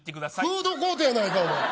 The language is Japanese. フードコートやないかい。